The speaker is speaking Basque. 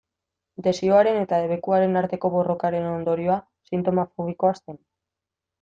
Desioaren eta debekuaren arteko borrokaren ondorioa sintoma fobikoa zen.